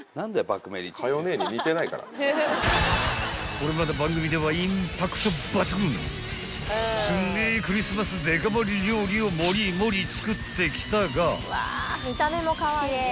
［これまで番組ではインパクト抜群すんげえクリスマスデカ盛り料理をもりもり作ってきたが］